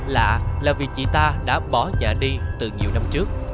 lạ là vì chị ta đã bỏ nhà đi từ nhiều năm trước